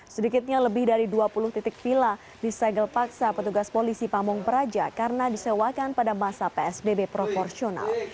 sedikitnya lebih dari dua puluh titik vila disegel paksa petugas polisi pamung praja karena disewakan pada masa psbb proporsional